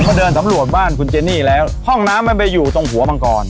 พอเดินสำรวจบ้านคุณเจนี่แล้วห้องน้ำมันไปอยู่ตรงหัวมังกร